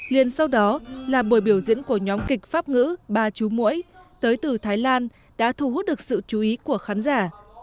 liền sau đó là buổi biểu diễn của nhóm kịch pháp ngữ ba chú mũi tới từ thái lan đã thu hút được sự chú ý của khán giả